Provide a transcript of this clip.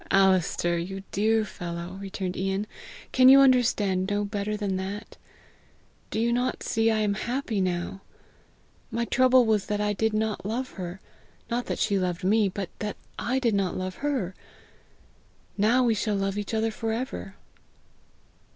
"Alister, you dear fellow!" returned Ian, "can you understand no better than that? Do you not see I am happy now? My trouble was that I did not love her not that she loved me, but that I did not love her! Now we shall love each other for ever!"